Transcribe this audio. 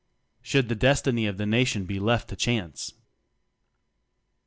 SHOULD THE DESTINY OF THE NATION BE LEFT TO CHANCE?